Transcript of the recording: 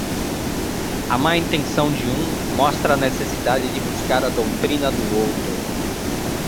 A má intenção de um mostra a necessidade de buscar a doutrina do outro.